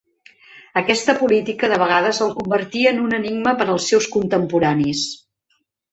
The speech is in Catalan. Aquesta política de vegades el convertia en un enigma per als seus contemporanis.